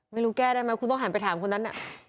ไม่รู้แก้ได้ไหมคุณต้องหันไปถามคนนั้นน่ะ